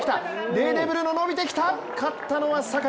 デーデー・ブルーノ伸びてきた、勝ったのは坂井。